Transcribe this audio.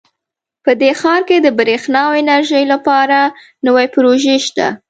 په دې ښار کې د بریښنا او انرژۍ لپاره نوي پروژې شته